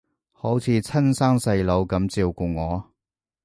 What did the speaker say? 好似親生細佬噉照顧我